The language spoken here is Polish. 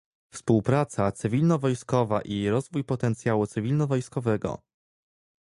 Współpraca cywilno-wojskowa i rozwój potencjału cywilno-wojskowego